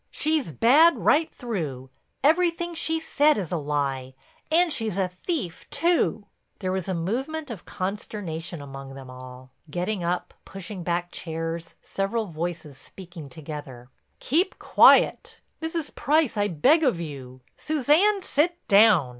"She's bad right through—everything she's said is a lie. And she's a thief too." There was a movement of consternation among them all—getting up, pushing back chairs, several voices speaking together: "Keep quiet." "Mrs. Price, I beg of you—" "Suzanne, sit down."